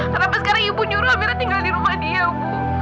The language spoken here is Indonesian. kenapa sekarang ibu nyuruh akhirnya tinggal di rumah dia ibu